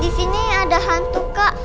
disini ada hantu kak